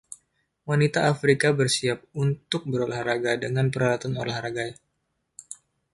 Wanita Afrika bersiap untuk berolahraga dengan peralatan olahraga.